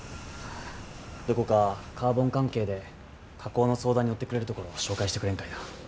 どこかカーボン関係で加工の相談に乗ってくれるところを紹介してくれんかいな。